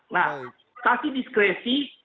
nah kasih diskresi